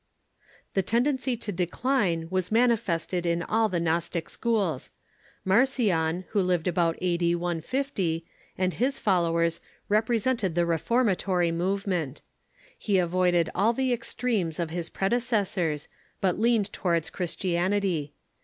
The tendency to de cline was manifested in all the Gnostic schools. Marcion, Avho lived about a.d. 150, and his followers represented the reforma tory movement. He avoided all the extremes of his predeces sors, but leaned towards Christianity.